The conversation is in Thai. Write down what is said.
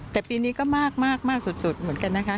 แต่ปีนี้ก็มากสุดเหมือนกันนะคะ